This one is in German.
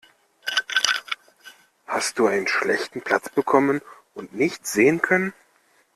Hast du einen schlechten Platz bekommen und nichts sehen können?